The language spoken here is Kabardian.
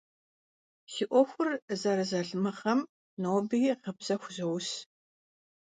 Си ӏуэхур зэрызалымыгъэм ноби гъыбзэ хузоус.